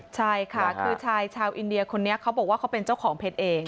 ใช่ค่ะคือชายชาวอินเดียคนนี้เขาบอกว่าเขาเป็นเจ้าของเพชรเอง